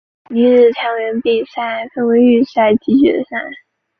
女子跳远比赛分为预赛及决赛。